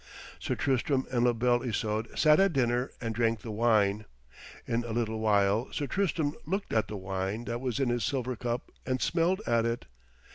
Sir Tristram and La Belle Isoude sat at dinner and drank the wine. In a little while Sir Tristram looked at the wine that was in his silver cup and smelled at it.